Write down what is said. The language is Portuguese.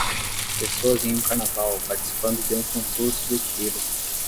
Pessoas em um carnaval participando de um concurso de tiro.